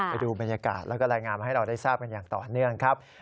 ไปดูบรรยากาศแล้วก็รายงานมาให้เราได้ทราบกันอย่างต่อเนื่องครับ